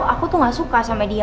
aku tuh gak suka sama dia